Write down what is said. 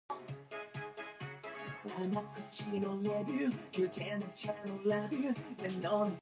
Alcmene struggled in pain, cursed the heavens, and became close to death.